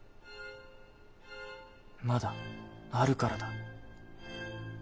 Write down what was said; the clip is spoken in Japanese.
まだあるからだ。